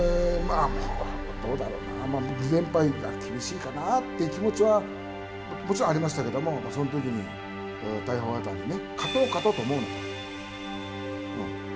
どうだろうな、２連敗厳しいかなって気持ちはもちろんありましたけども、その時に時間です。